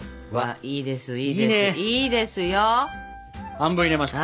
半分入れました。